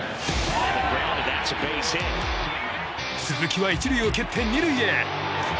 鈴木は１塁を蹴って２塁へ！